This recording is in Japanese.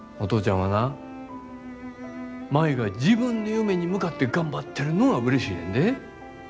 はな舞が自分の夢に向かって頑張ってるのがうれしいねんで。